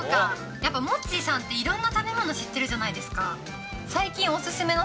やっぱモッチーさんって、いろんな食べ物知ってるじゃないですか。